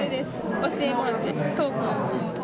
押してもらってトーク。